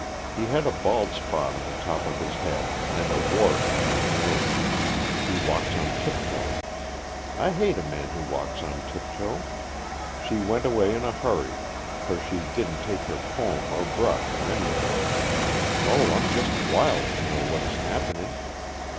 He had a bald spot on the top of his head, and a wart on his nose. He walks on tiptoe. I hate a man who walks on tiptoe. She went away in a hurry, for she didn't take her comb or brush or anything. Oh, I'm just wild to know what is happening.